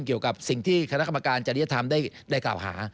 เกี่ยวกับสิ่งที่คณะกรรมการจริยธรรมได้กล่าวหา